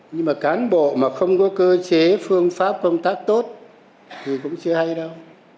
nhưng mà cán bộ mà không có cơ chế phương pháp công tác tốt thì cũng chưa hay đâu